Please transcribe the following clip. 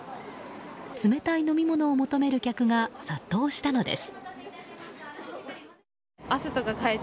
冷たい飲み物を求める客が殺到したのです。